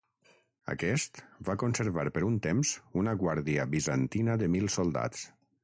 Aquest va conservar per un temps una guàrdia bizantina de mil soldats.